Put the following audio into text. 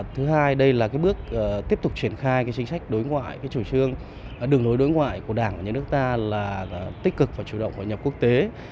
thứ hai đây là bước tiếp tục triển khai chính sách đối ngoại chủ trương đường lối đối ngoại của đảng và nhà nước ta là tích cực và chủ động hội nhập quốc tế